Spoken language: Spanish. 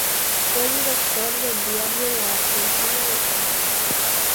Fue director del diario La Argentina de Santa Fe.